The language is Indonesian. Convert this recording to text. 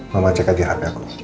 mama cek aja hp aku